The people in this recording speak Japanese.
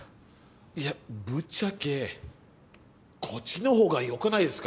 いやぶっちゃけこっちの方が良くないですか？